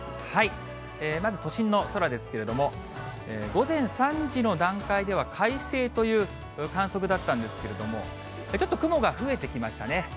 まず都心の空ですけれども、午前３時の段階では快晴という観測だったんですけれども、ちょっと雲が増えてきましたね。